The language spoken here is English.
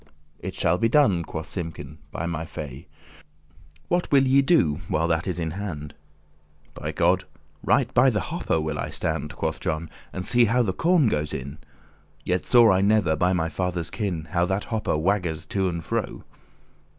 "It shall be done," quoth Simkin, "by my fay. What will ye do while that it is in hand?" "By God, right by the hopper will I stand," Quoth John, "and see how that the corn goes in. Yet saw I never, by my father's kin, How that the hopper wagges to and fro."